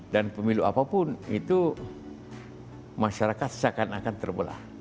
dan pemilu apapun itu masyarakat se cart guard akan terpelah